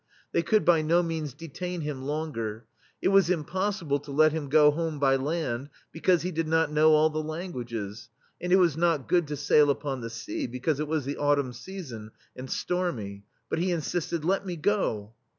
'* They could by no means detain him longer. It was impossible to let him go home by land, because he did not know all the languages, and it was not good to sail upon the sea, because it was the autumn season, and stormy ; but he in sisted: "Let me go.'